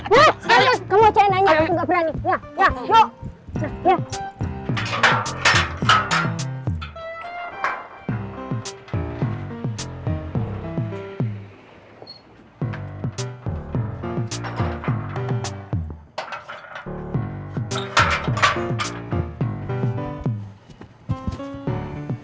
kamu aja yang nanya aku juga berani